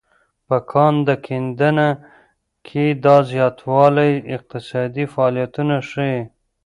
په کان کیندنه کې دا زیاتوالی اقتصادي فعالیتونه ښيي.